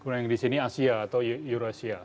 kemudian yang di sini asia atau eurasia